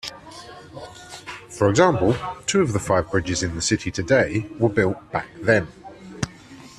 For example, two of the five bridges in the city today were built back then.